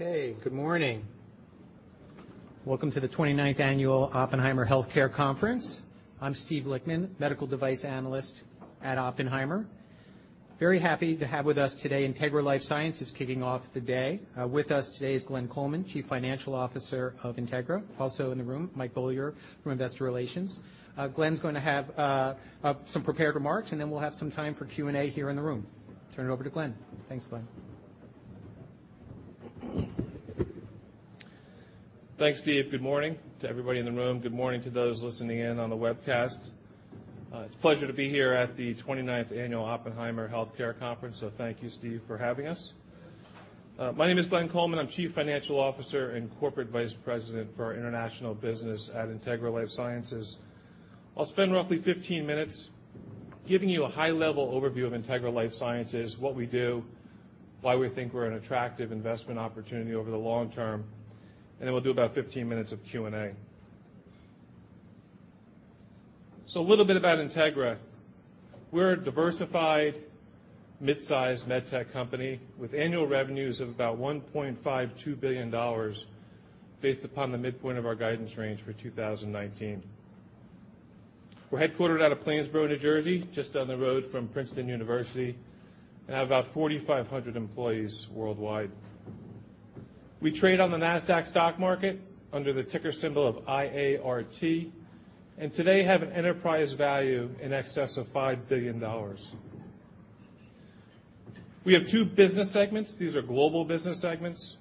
Okay, good morning. Welcome to the 29th Annual Oppenheimer Healthcare conference. I'm Steve Lichtman, Medical Device Analyst at Oppenheimer. Very happy to have with us today, Integra LifeSciences kicking off the day. With us today is Glenn Coleman, Chief Financial Officer of Integra. Also in the room, Michael Beaulieu from Investor Relations. Glenn's going to have some prepared remarks, and then we'll have some time for Q&A here in the room. Turn it over to Glenn. Thanks, Glenn. Thanks, Steve. Good morning to everybody in the room. Good morning to those listening in on the webcast. It's a pleasure to be here at the 29th Annual Oppenheimer Healthcare conference, so thank you, Steve, for having us. My name is Glenn Coleman. I'm Chief Financial Officer and Corporate Vice President for International Business at Integra LifeSciences. I'll spend roughly 15 minutes giving you a high-level overview of Integra LifeSciences, what we do, why we think we're an attractive investment opportunity over the long term, and then we'll do about 15 minutes of Q&A. So a little bit about Integra. We're a diversified, mid-sized medtech company with annual revenues of about $1.52 billion based upon the midpoint of our guidance range for 2019. We're headquartered out of Plainsboro, New Jersey, just down the road from Princeton University, and have about 4,500 employees worldwide. We trade on the Nasdaq Stock Market under the ticker symbol of IART, and today have an enterprise value in excess of $5 billion. We have two business segments. These are global business segments,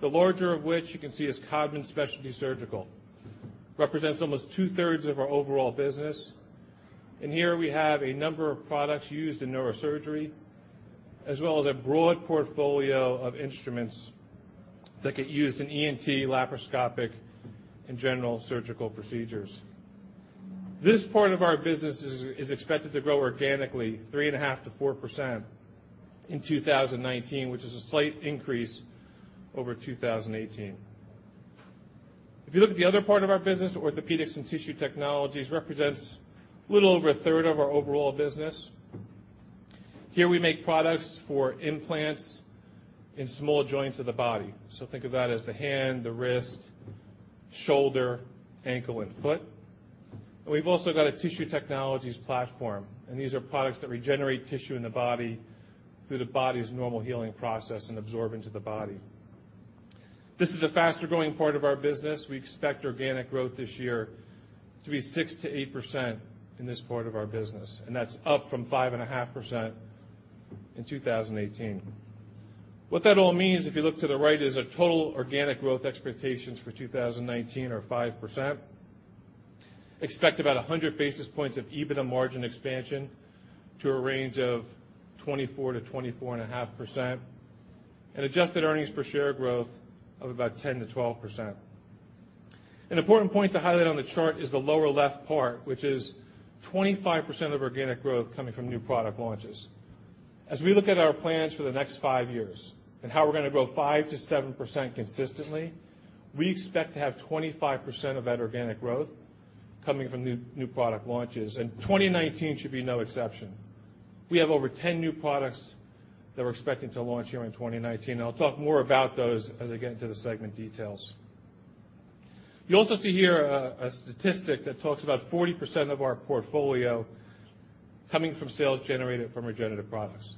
the larger of which you can see is Codman Specialty Surgical. It represents almost 2/3 of our overall business, and here we have a number of products used in Neurosurgery, as well as a broad portfolio of instruments that get used in ENT, laparoscopic, and general surgical procedures. This part of our business is expected to grow organically 3.5%-4% in 2019, which is a slight increase over 2018. If you look at the other part of our business, Orthopedics and Tissue Technologies represents a little over a third of our overall business. Here we make products for implants in small joints of the body. Think of that as the hand, the wrist, shoulder, ankle, and foot. And we've also got a tissue technologies platform, and these are products that regenerate tissue in the body through the body's normal healing process and absorb into the body. This is a faster-growing part of our business. We expect organic growth this year to be 6-8% in this part of our business, and that's up from 5.5% in 2018. What that all means, if you look to the right, is our total organic growth expectations for 2019 are 5%. Expect about 100 basis points of EBITDA margin expansion to a range of 24-24.5%, and adjusted earnings per share growth of about 10%-12%. An important point to highlight on the chart is the lower left part, which is 25% of organic growth coming from new product launches. As we look at our plans for the next five years and how we're going to grow 5%-7% consistently, we expect to have 25% of that organic growth coming from new product launches, and 2019 should be no exception. We have over 10 new products that we're expecting to launch here in 2019, and I'll talk more about those as I get into the segment details. You also see here a statistic that talks about 40% of our portfolio coming from sales generated from regenerative products.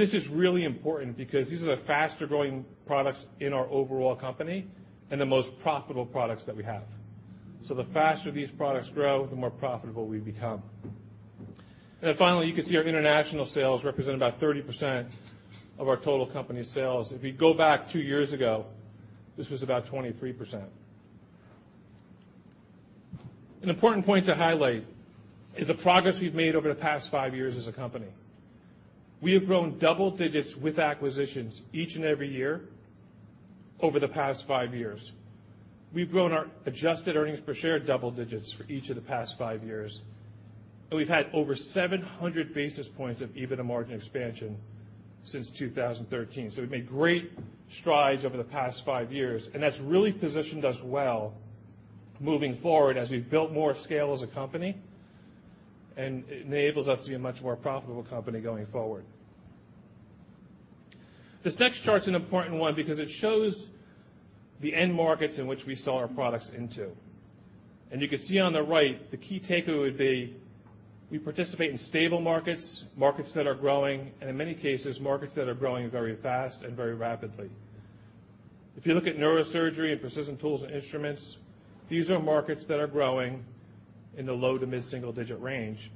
This is really important because these are the faster-growing products in our overall company and the most profitable products that we have. So the faster these products grow, the more profitable we become. And then finally, you can see our international sales represent about 30% of our total company sales. If you go back two years ago, this was about 23%. An important point to highlight is the progress we've made over the past five years as a company. We have grown double digits with acquisitions each and every year over the past five years. We've grown our adjusted earnings per share double digits for each of the past five years, and we've had over 700 basis points of EBITDA margin expansion since 2013. So we've made great strides over the past five years, and that's really positioned us well moving forward as we've built more scale as a company, and it enables us to be a much more profitable company going forward. This next chart's an important one because it shows the end markets in which we sell our products into. And you can see on the right, the key takeaway would be we participate in stable markets, markets that are growing, and in many cases, markets that are growing very fast and very rapidly. If you look at Neurosurgery and Precision Tools and Instruments, these are markets that are growing in the low to mid-single-digit range,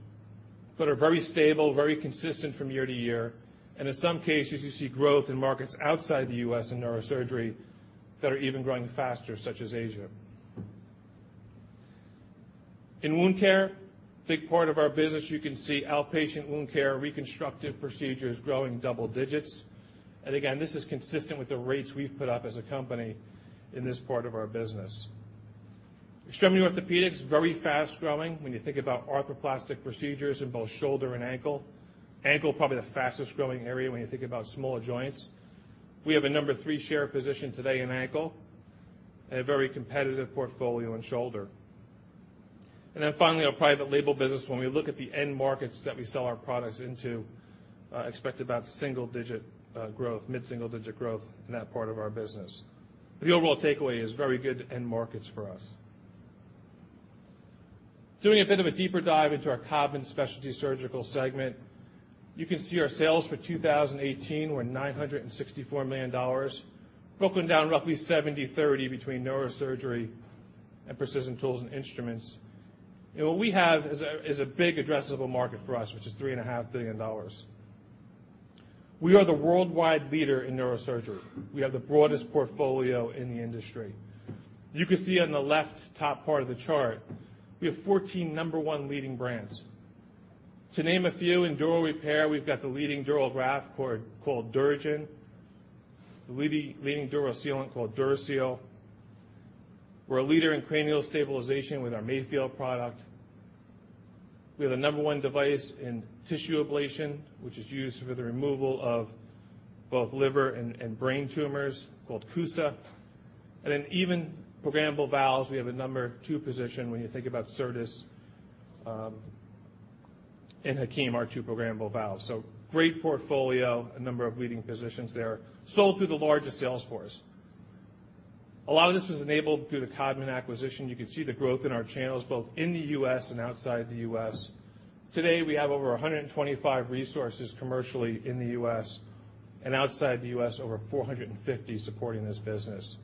but are very stable, very consistent from year to year. And in some cases, you see growth in markets outside the U.S. in Neurosurgery that are even growing faster, such as Asia. In wound care, a big part of our business, you can see outpatient wound care, reconstructive procedures growing double digits. And again, this is consistent with the rates we've put up as a company in this part of our business. Extremity Orthopedics is very fast-growing when you think about arthroplasty procedures in both shoulder and ankle. Ankle is probably the fastest-growing area when you think about small joints. We have a number three share position today in ankle and a very competitive portfolio in shoulder. And then finally, our Private Label business, when we look at the end markets that we sell our products into, expect about single-digit growth, mid-single-digit growth in that part of our business. The overall takeaway is very good end markets for us. Doing a bit of a deeper dive into our Codman Specialty Surgical segment, you can see our sales for 2018 were $964 million, broken down roughly 70/30 between Neurosurgery and Precision Tools and Instruments. And what we have is a big addressable market for us, which is $3.5 billion. We are the worldwide leader in Neurosurgery. We have the broadest portfolio in the industry. You can see on the left top part of the chart, we have 14 number one leading brands. To name a few, in dural repair, we've got the leading dural graft called DuraGen, the leading dural sealant called DuraSeal. We're a leader in cranial stabilization with our Mayfield product. We have a number one device in tissue ablation, which is used for the removal of both liver and brain tumors called CUSA. And in even programmable valves, we have a number two position when you think about Certas and Hakim, our two programmable valves. So great portfolio, a number of leading positions there, sold through the largest sales force. A lot of this was enabled through the Codman acquisition. You can see the growth in our channels both in the U.S. and outside the U.S. Today, we have over 125 resources commercially in the U.S., and outside the U.S., over 450 supporting this business,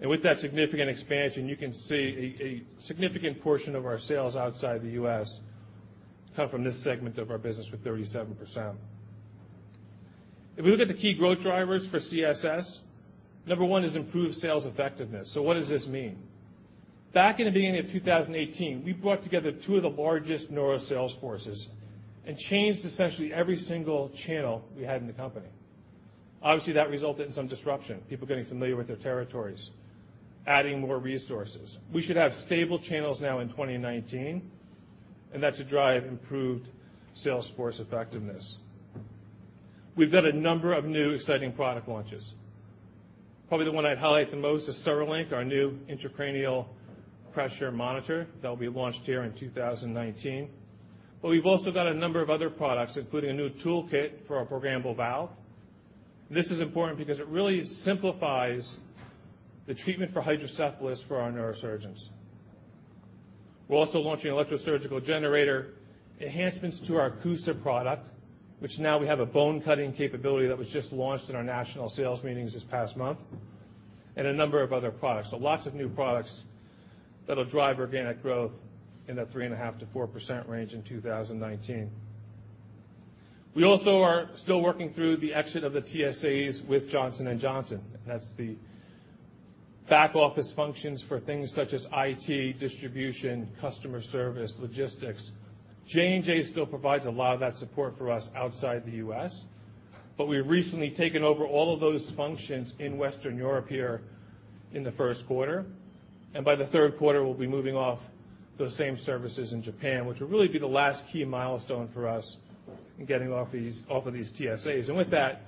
and with that significant expansion, you can see a significant portion of our sales outside the U.S. come from this segment of our business with 37%. If we look at the key growth drivers for CSS, number one is improved sales effectiveness, so what does this mean? Back in the beginning of 2018, we brought together two of the largest neuro sales forces and changed essentially every single channel we had in the company. Obviously, that resulted in some disruption, people getting familiar with their territories, adding more resources. We should have stable channels now in 2019, and that should drive improved sales force effectiveness. We've got a number of new exciting product launches. Probably the one I'd highlight the most is CereLink, our new intracranial pressure monitor that will be launched here in 2019. But we've also got a number of other products, including a new toolkit for our programmable valve. This is important because it really simplifies the treatment for hydrocephalus for our neurosurgeons. We're also launching an electrosurgical generator, enhancements to our CUSA product, which now we have a bone-cutting capability that was just launched in our national sales meetings this past month, and a number of other products. So lots of new products that'll drive organic growth in that 3.5%-4% range in 2019. We also are still working through the exit of the TSAs with Johnson & Johnson. That's the back office functions for things such as IT, distribution, customer service, logistics. J&J still provides a lot of that support for us outside the U.S., but we've recently taken over all of those functions in Western Europe here in the first quarter. And by the third quarter, we'll be moving off those same services in Japan, which will really be the last key milestone for us in getting off of these TSAs. And with that,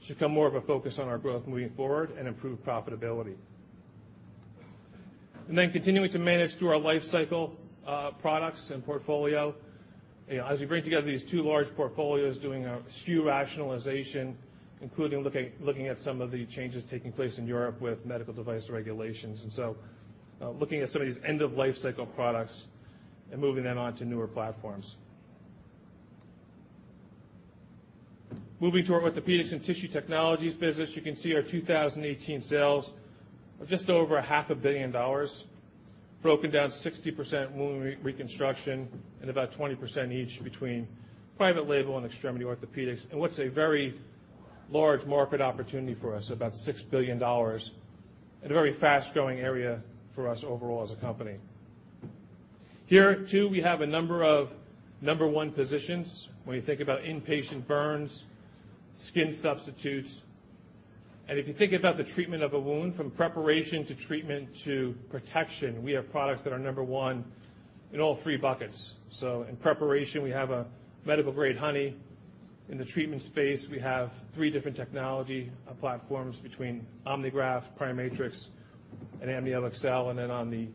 should come more of a focus on our growth moving forward and improved profitability. And then continuing to manage through our life cycle products and portfolio, as we bring together these two large portfolios, doing a SKU rationalization, including looking at some of the changes taking place in Europe with medical device regulations. And so looking at some of these end-of-life cycle products and moving them on to newer platforms. Moving to our Orthopedics and Tissue Technologies Business, you can see our 2018 sales are just over $500 million, broken down 60% Wound Reconstruction and about 20% each between Private Label and Extremity Orthopedics. And what's a very large market opportunity for us, about $6 billion, and a very fast-growing area for us overall as a company. Here, too, we have a number of number one positions when you think about inpatient burns, skin substitutes. And if you think about the treatment of a wound, from preparation to treatment to protection, we have products that are number one in all three buckets. So in preparation, we have a medical-grade honey. In the treatment space, we have three different technology platforms between Omnigraft, PriMatrix, and AmnioExcel. And then on the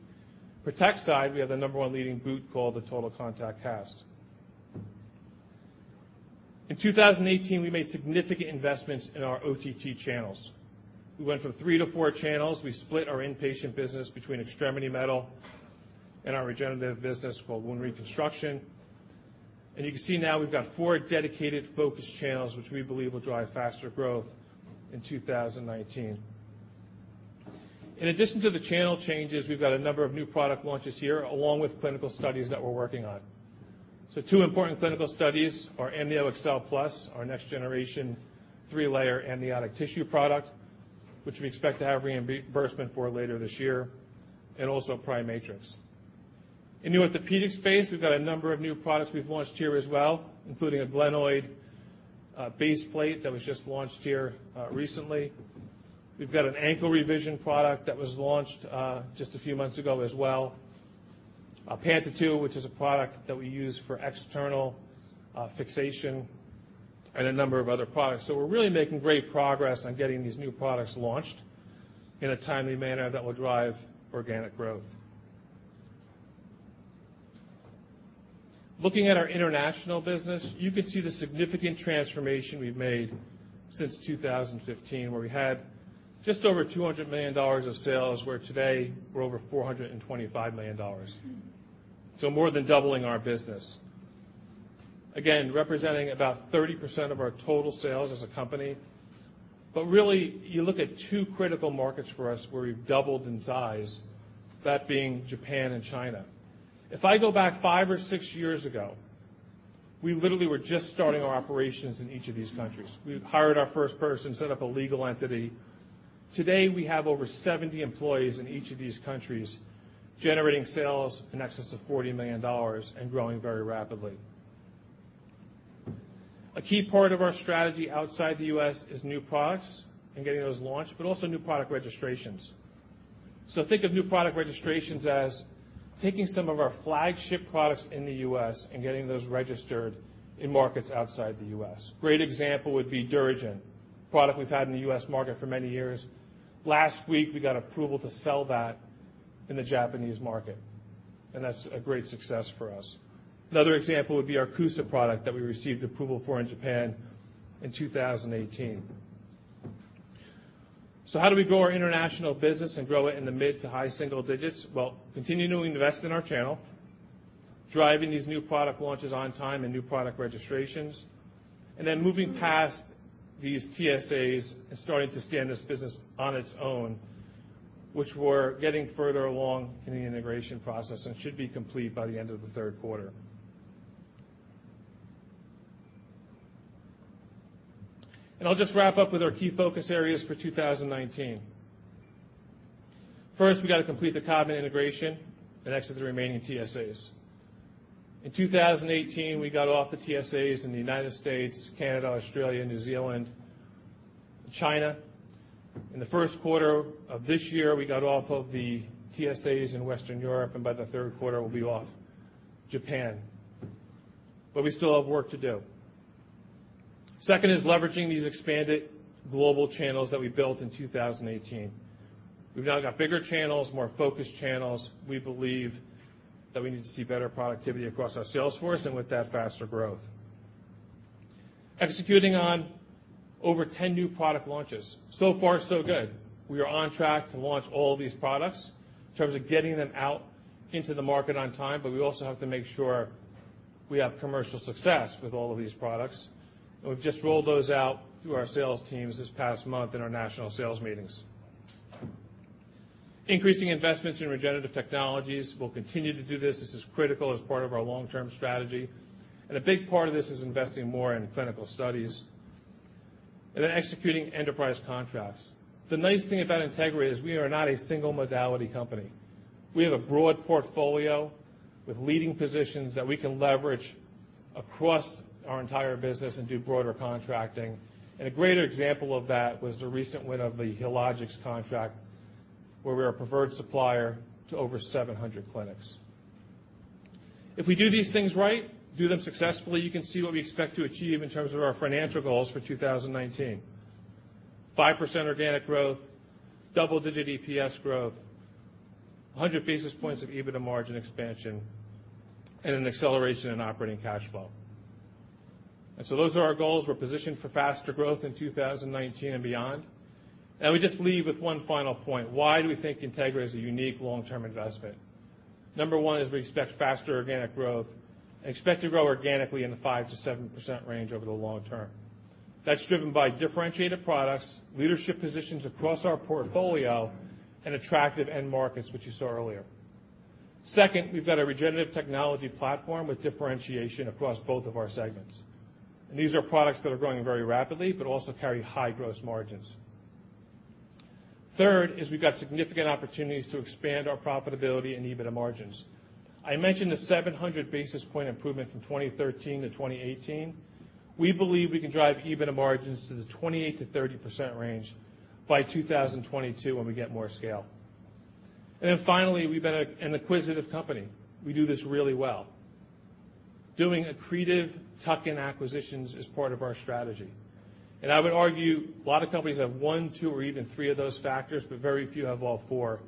protect side, we have the number one leading boot called the Total Contact Cast. In 2018, we made significant investments in our OTT channels. We went from three to four channels. We split our inpatient business between extremity metal and our regenerative business called Wound Reconstruction. And you can see now we've got four dedicated focus channels, which we believe will drive faster growth in 2019. In addition to the channel changes, we've got a number of new product launches here along with clinical studies that we're working on. So two important clinical studies are AmnioExcel Plus, our next-generation three-layer amniotic Tissue product, which we expect to have reimbursement for later this year, and also PriMatrix. In the orthopedic space, we've got a number of new products we've launched here as well, including a glenoid base plate that was just launched here recently. We've got an ankle revision product that was launched just a few months ago as well, a Panta II, which is a product that we use for external fixation, and a number of other products. So we're really making great progress on getting these new products launched in a timely manner that will drive organic growth. Looking at our international business, you can see the significant transformation we've made since 2015, where we had just over $200 million of sales, where today we're over $425 million. So more than doubling our business. Again, representing about 30% of our total sales as a company. But really, you look at two critical markets for us where we've doubled in size, that being Japan and China. If I go back five or six years ago, we literally were just starting our operations in each of these countries. We hired our first person, set up a legal entity. Today, we have over 70 employees in each of these countries generating sales in excess of $40 million and growing very rapidly. A key part of our strategy outside the U.S. is new products and getting those launched, but also new product registrations, so think of new product registrations as taking some of our flagship products in the U.S. and getting those registered in markets outside the U.S. Great example would be DuraGen, a product we've had in the U.S. market for many years. Last week, we got approval to sell that in the Japanese market, and that's a great success for us. Another example would be our CUSA product that we received approval for in Japan in 2018, so how do we grow our international business and grow it in the mid to high single digits? Well, continue to invest in our channel, driving these new product launches on time and new product registrations, and then moving past these TSAs and starting to stand this business on its own, which we're getting further along in the integration process and should be complete by the end of the third quarter. And I'll just wrap up with our key focus areas for 2019. First, we got to complete the Codman integration and exit the remaining TSAs. In 2018, we got off the TSAs in the United States, Canada, Australia, New Zealand, and China. In the first quarter of this year, we got off of the TSAs in Western Europe, and by the third quarter, we'll be off Japan. But we still have work to do. Second is leveraging these expanded global channels that we built in 2018. We've now got bigger channels, more focused channels. We believe that we need to see better productivity across our sales force and with that faster growth. Executing on over 10 new product launches. So far, so good. We are on track to launch all these products in terms of getting them out into the market on time, but we also have to make sure we have commercial success with all of these products. And we've just rolled those out through our sales teams this past month in our national sales meetings. Increasing investments in regenerative technologies. We'll continue to do this. This is critical as part of our long-term strategy. And a big part of this is investing more in clinical studies and then executing enterprise contracts. The nice thing about Integra is we are not a single modality company. We have a broad portfolio with leading positions that we can leverage across our entire business and do broader contracting. A greater example of that was the recent win of the Healogics contract, where we are a preferred supplier to over 700 clinics. If we do these things right, do them successfully, you can see what we expect to achieve in terms of our financial goals for 2019: 5% organic growth, double-digit EPS growth, 100 basis points of EBITDA margin expansion, and an acceleration in operating cash flow. Those are our goals. We're positioned for faster growth in 2019 and beyond. We just leave with one final point. Why do we think Integra is a unique long-term investment? Number one is we expect faster organic growth and expect to grow organically in the 5%-7% range over the long term. That's driven by differentiated products, leadership positions across our portfolio, and attractive end markets, which you saw earlier. Second, we've got a regenerative technology platform with differentiation across both of our segments. And these are products that are growing very rapidly but also carry high gross margins. Third is we've got significant opportunities to expand our profitability and EBITDA margins. I mentioned the 700 basis point improvement from 2013 to 2018. We believe we can drive EBITDA margins to the 28%-30% range by 2022 when we get more scale. And then finally, we've been an acquisitive company. We do this really well. Doing accretive tuck-in acquisitions is part of our strategy. And I would argue a lot of companies have one, two, or even three of those factors, but very few have all four.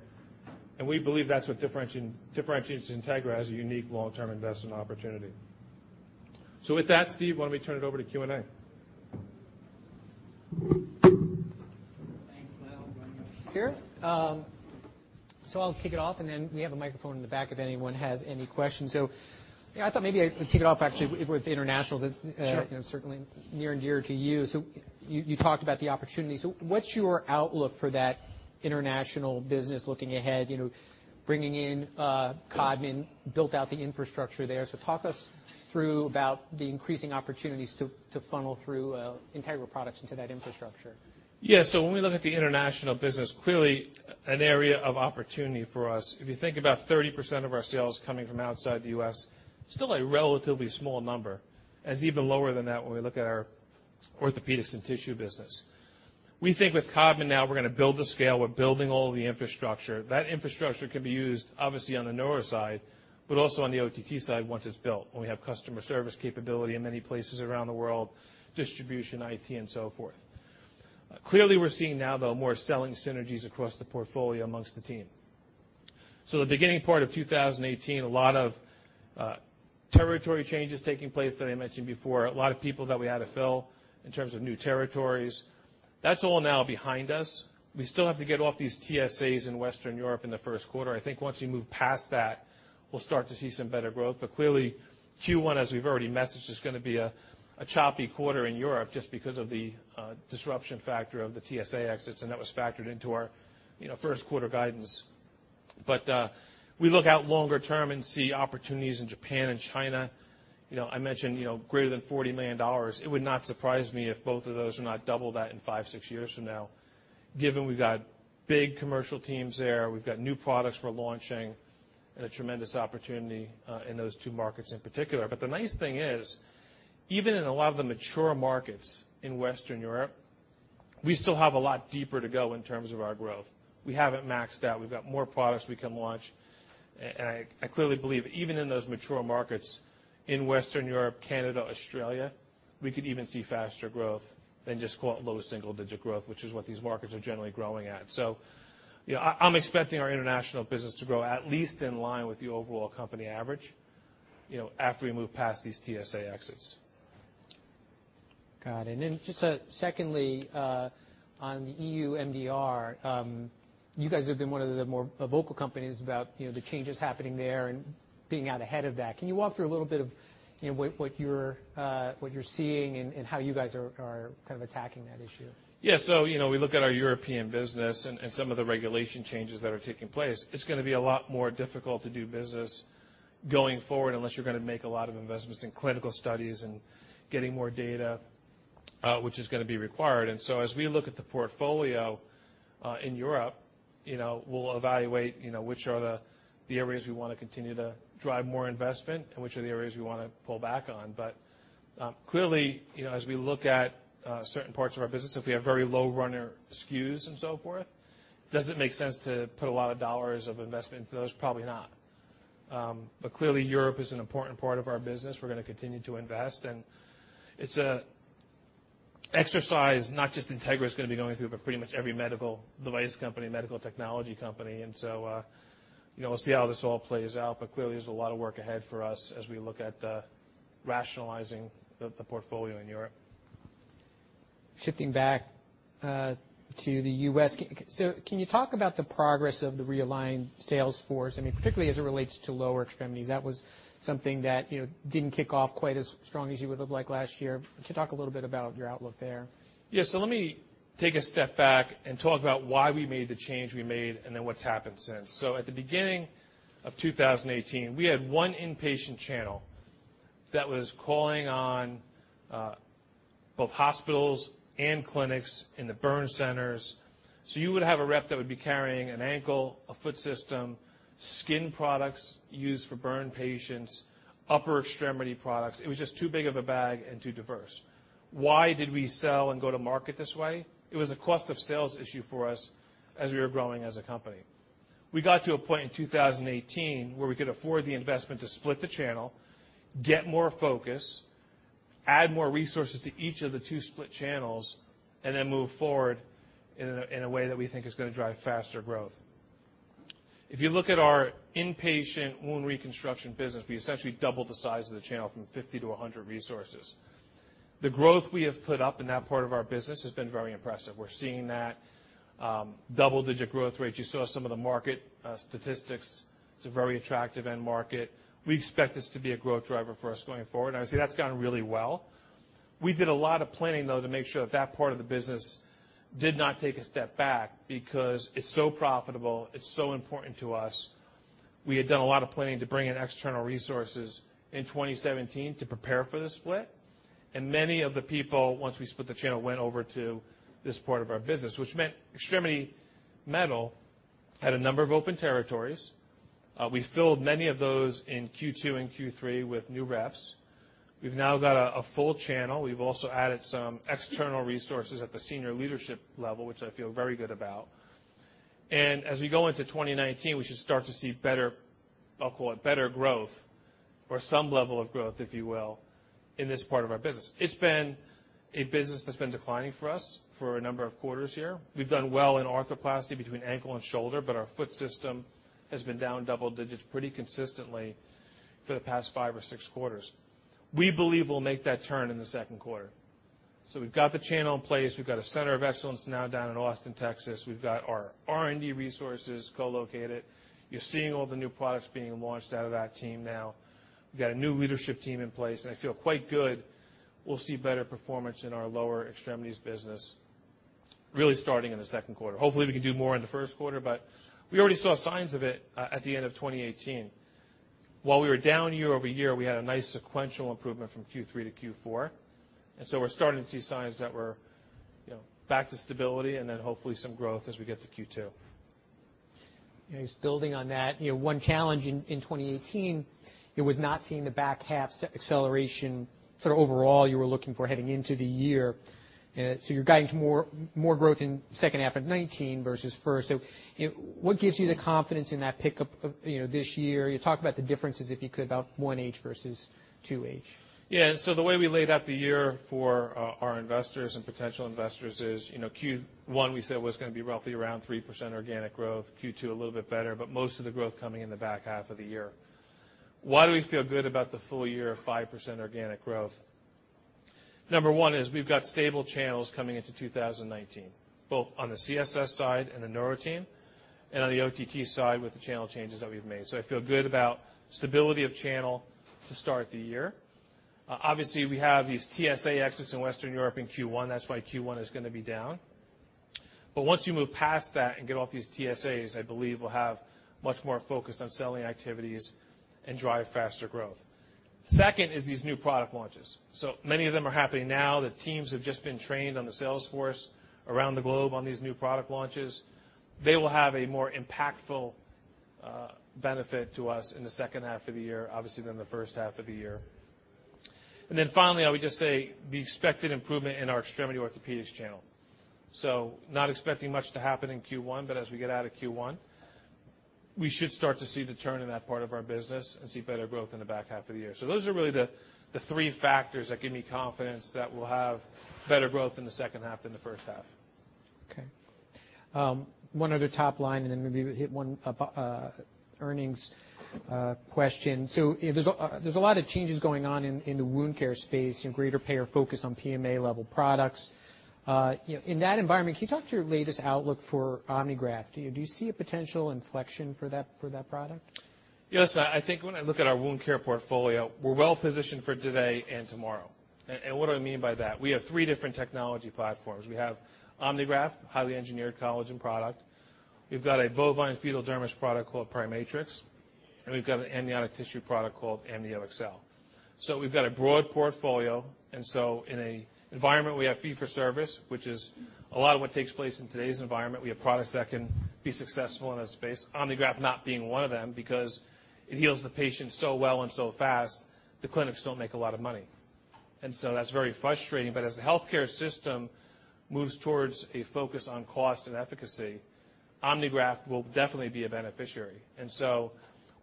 And we believe that's what differentiates Integra as a unique long-term investment opportunity. So with that, Steve, why don't we turn it over to Q&A? Thanks, Glenn. I'm glad you're here. So I'll kick it off, and then we have a microphone in the back if anyone has any questions. So I thought maybe I would kick it off actually with international. Sure. Certainly near and dear to you. So you talked about the opportunity. So what's your outlook for that international business looking ahead, bringing in Codman, built out the infrastructure there? So talk us through about the increasing opportunities to funnel through Integra products into that infrastructure. Yeah, so when we look at the international business, clearly an area of opportunity for us, if you think about 30% of our sales coming from outside the U.S., still a relatively small number. It's even lower than that when we look at our orthopedics and tissue business. We think with Codman now we're going to build the scale. We're building all the infrastructure. That infrastructure can be used, obviously, on the neuro side, but also on the OTT side once it's built, when we have customer service capability in many places around the world, distribution, IT, and so forth. Clearly, we're seeing now, though, more selling synergies across the portfolio amongst the team, so the beginning part of 2018, a lot of territory changes taking place that I mentioned before, a lot of people that we had to fill in terms of new territories. That's all now behind us. We still have to get off these TSAs in Western Europe in the first quarter. I think once we move past that, we'll start to see some better growth. But clearly, Q1, as we've already messaged, is going to be a choppy quarter in Europe just because of the disruption factor of the TSA exits, and that was factored into our first quarter guidance. But we look out longer term and see opportunities in Japan and China. I mentioned greater than $40 million. It would not surprise me if both of those are not double that in five, six years from now, given we've got big commercial teams there. We've got new products we're launching and a tremendous opportunity in those two markets in particular. But the nice thing is, even in a lot of the mature markets in Western Europe, we still have a lot deeper to go in terms of our growth. We haven't maxed out. We've got more products we can launch. And I clearly believe even in those mature markets in Western Europe, Canada, Australia, we could even see faster growth than just low single-digit growth, which is what these markets are generally growing at. So I'm expecting our international business to grow at least in line with the overall company average after we move past these TSA exits. Got it, and then just secondly, on the EU MDR, you guys have been one of the more vocal companies about the changes happening there and being out ahead of that. Can you walk through a little bit of what you're seeing and how you guys are kind of attacking that issue? Yeah, so we look at our European business and some of the regulation changes that are taking place. It's going to be a lot more difficult to do business going forward unless you're going to make a lot of investments in clinical studies and getting more data, which is going to be required, and so as we look at the portfolio in Europe, we'll evaluate which are the areas we want to continue to drive more investment and which are the areas we want to pull back on, but clearly, as we look at certain parts of our business, if we have very low runner SKUs and so forth, does it make sense to put a lot of dollars of investment into those? Probably not, but clearly, Europe is an important part of our business. We're going to continue to invest. And it's an exercise not just Integra is going to be going through, but pretty much every medical device company, medical technology company. And so we'll see how this all plays out. But clearly, there's a lot of work ahead for us as we look at rationalizing the portfolio in Europe. Shifting back to the U.S., so can you talk about the progress of the realigned sales force, I mean, particularly as it relates to lower extremities? That was something that didn't kick off quite as strong as you would have liked last year. Can you talk a little bit about your outlook there? Yeah. So let me take a step back and talk about why we made the change we made and then what's happened since. So at the beginning of 2018, we had one inpatient channel that was calling on both hospitals and clinics in the burn centers. So you would have a rep that would be carrying an ankle, a foot system, skin products used for burn patients, upper extremity products. It was just too big of a bag and too diverse. Why did we sell and go to market this way? It was a cost of sales issue for us as we were growing as a company. We got to a point in 2018 where we could afford the investment to split the channel, get more focus, add more resources to each of the two split channels, and then move forward in a way that we think is going to drive faster growth. If you look at our inpatient Wound Reconstruction business, we essentially doubled the size of the channel from 50-100 resources. The growth we have put up in that part of our business has been very impressive. We're seeing that double-digit growth rate. You saw some of the market statistics. It's a very attractive end market. We expect this to be a growth driver for us going forward, and I would say that's gone really well. We did a lot of planning, though, to make sure that that part of the business did not take a step back because it's so profitable. It's so important to us. We had done a lot of planning to bring in external resources in 2017 to prepare for the split. And many of the people, once we split the channel, went over to this part of our business, which meant extremity metal had a number of open territories. We filled many of those in Q2 and Q3 with new reps. We've now got a full channel. We've also added some external resources at the senior leadership level, which I feel very good about. And as we go into 2019, we should start to see better, I'll call it better growth or some level of growth, if you will, in this part of our business. It's been a business that's been declining for us for a number of quarters here. We've done well in arthroplasty between ankle and shoulder, but our foot system has been down double digits pretty consistently for the past five or six quarters. We believe we'll make that turn in the second quarter. So we've got the channel in place. We've got a center of excellence now down in Austin, Texas. We've got our R&D resources co-located. You're seeing all the new products being launched out of that team now. We've got a new leadership team in place. And I feel quite good. We'll see better performance in our lower extremities business really starting in the second quarter. Hopefully, we can do more in the first quarter, but we already saw signs of it at the end of 2018. While we were down year over year, we had a nice sequential improvement from Q3 to Q4. We're starting to see signs that we're back to stability and then hopefully some growth as we get to Q2. Yeah. Just building on that, one challenge in 2018, it was not seeing the back half acceleration sort of overall you were looking for heading into the year. So you're guiding to more growth in second half of 2019 versus first. So what gives you the confidence in that pickup this year? Talk about the differences, if you could, about 1H versus 2H. Yeah. So the way we laid out the year for our investors and potential investors is Q1, we said it was going to be roughly around 3% organic growth. Q2, a little bit better, but most of the growth coming in the back half of the year. Why do we feel good about the full year of 5% organic growth? Number one is we've got stable channels coming into 2019, both on the CSS side and the neuro team and on the OTT side with the channel changes that we've made. So I feel good about stability of channel to start the year. Obviously, we have these TSA exits in Western Europe in Q1. That's why Q1 is going to be down. But once you move past that and get off these TSAs, I believe we'll have much more focus on selling activities and drive faster growth. Second is these new product launches. So many of them are happening now. The teams have just been trained on the sales force around the globe on these new product launches. They will have a more impactful benefit to us in the second half of the year, obviously, than the first half of the year. And then finally, I would just say the expected improvement in our Extremity Orthopedics channel. So not expecting much to happen in Q1, but as we get out of Q1, we should start to see the turn in that part of our business and see better growth in the back half of the year. So those are really the three factors that give me confidence that we'll have better growth in the second half than the first half. Okay. One other top line, and then maybe we hit one earnings question. So there's a lot of changes going on in the wound care space and greater payer focus on PMA level products. In that environment, can you talk to your latest outlook for Omnigraft? Do you see a potential inflection for that product? Yes. I think when I look at our wound care portfolio, we're well positioned for today and tomorrow. And what do I mean by that? We have three different technology platforms. We have Omnigraft, highly engineered collagen product. We've got a bovine fetal dermis product called PriMatrix. And we've got an amniotic tissue product called AmnioExcel. So we've got a broad portfolio. And so in an environment where we have fee-for-service, which is a lot of what takes place in today's environment, we have products that can be successful in that space, Omnigraft not being one of them because it heals the patient so well and so fast, the clinics don't make a lot of money. And so that's very frustrating. But as the healthcare system moves towards a focus on cost and efficacy, Omnigraft will definitely be a beneficiary. And so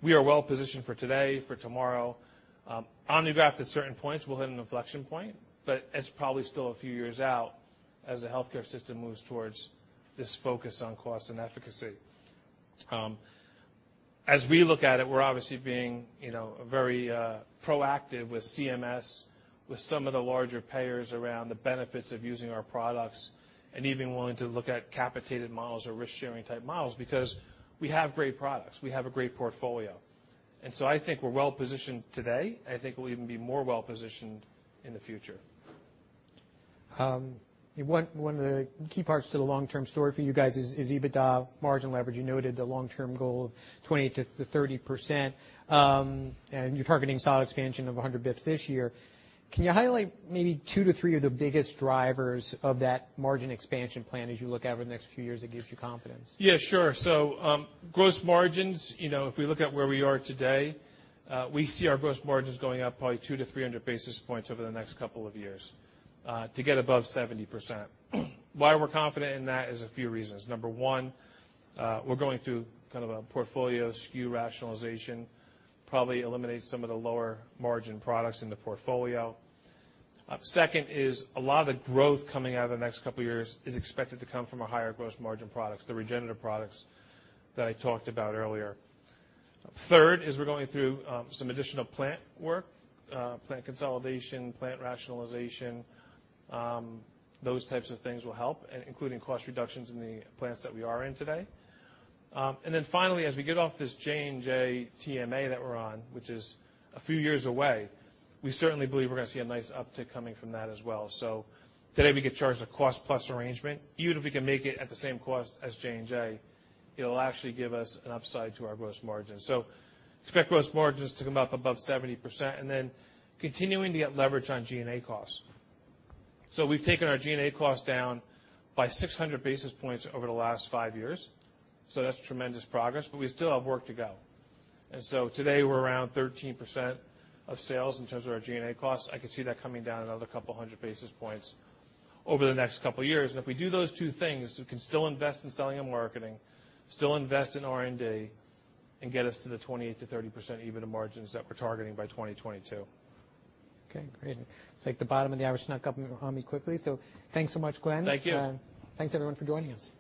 we are well positioned for today, for tomorrow. Omnigraft, at certain points, will hit an inflection point, but it's probably still a few years out as the healthcare system moves towards this focus on cost and efficacy. As we look at it, we're obviously being very proactive with CMS, with some of the larger payers around the benefits of using our products and even willing to look at capitated models or risk-sharing type models because we have great products. We have a great portfolio. And so I think we're well positioned today. I think we'll even be more well positioned in the future. One of the key parts to the long-term story for you guys is EBITDA, margin leverage. You noted the long-term goal of 20%-30%, and you're targeting solid expansion of 100 basis points this year. Can you highlight maybe two to three of the biggest drivers of that margin expansion plan as you look out over the next few years that gives you confidence? Yeah, sure. So gross margins, if we look at where we are today, we see our gross margins going up probably 2-300 basis points over the next couple of years to get above 70%. Why we're confident in that is a few reasons. Number one, we're going through kind of a portfolio SKU rationalization, probably eliminate some of the lower margin products in the portfolio. Second is a lot of the growth coming out of the next couple of years is expected to come from our higher gross margin products, the regenerative products that I talked about earlier. Third is we're going through some additional plant work, plant consolidation, plant rationalization. Those types of things will help, including cost reductions in the plants that we are in today. And then finally, as we get off this J&J TSA that we're on, which is a few years away, we certainly believe we're going to see a nice uptick coming from that as well. So today we get charged a cost-plus arrangement. Even if we can make it at the same cost as J&J, it'll actually give us an upside to our gross margin. So expect gross margins to come up above 70% and then continuing to get leverage on G&A costs. So we've taken our G&A costs down by 600 basis points over the last five years. So that's tremendous progress, but we still have work to go. And so today we're around 13% of sales in terms of our G&A costs. I could see that coming down another couple hundred basis points over the next couple of years. And if we do those two things, we can still invest in selling and marketing, still invest in R&D, and get us to the 28%-30% EBITDA margins that we're targeting by 2022. Okay. Great. Let's take the bottom of the hour. Just knock up on me quickly, so thanks so much, Glenn. Thank you. Thanks, everyone, for joining us.